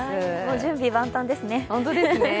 準備万端ですね。